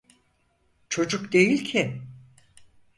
Çocuk değil ki…